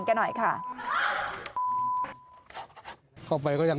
ไม่รู้อะไรกับใคร